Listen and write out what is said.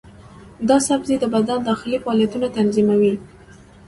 دا سبزی د بدن داخلي فعالیتونه تنظیموي.